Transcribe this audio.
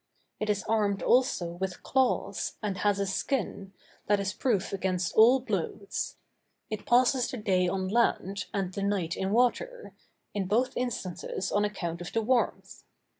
It is armed also with claws, and has a skin, that is proof against all blows. It passes the day on land, and the night in the water, in both instances on account of the warmth.